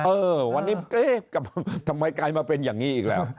เออวันนี้เอ๊ะทำไมกลายมาเป็นอย่างนี้อีกแล้ว